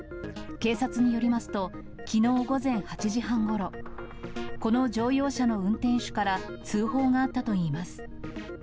警察によりますと、きのう午前８時半ごろ、この乗用車の運転手から通報があったといいます。